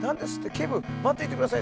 警部待ってください。